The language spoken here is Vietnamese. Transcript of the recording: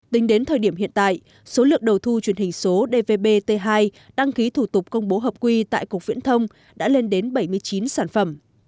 tính đến thời điểm hiện tại số lượng đầu thu truyền hình số dvbt hai đăng ký thủ tục công bố hợp quy tại cục viễn thông đã lên đến bảy mươi chín sản phẩm